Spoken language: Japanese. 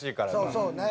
そうね。